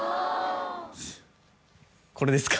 これですか？